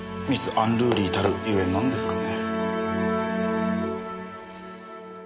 ・アンルーリーたる所以なんですかね。